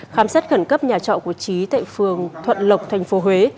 khám xét khẩn cấp nhà trọ của trí tại phường thuận lộc tp huế